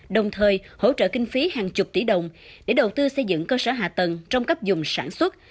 đồng thời hỗ trợ kinh phí hàng chục tỷ đồng để đầu tư xây dựng cơ sở hạ tầng trong cấp dùng sản xuất